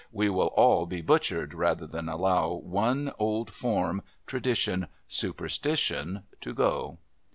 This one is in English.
We will all be butchered rather than allow one old form, tradition, superstition to go!"